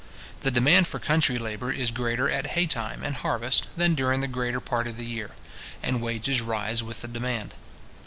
The demand for country labour is greater at hay time and harvest than during the greater part of the year; and wages rise with the demand.